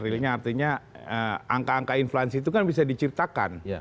realnya artinya angka angka inflasi itu kan bisa diciptakan